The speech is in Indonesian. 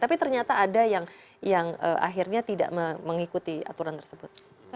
tapi ternyata ada yang akhirnya tidak mengikuti aturan tersebut